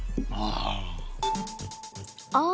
ああ！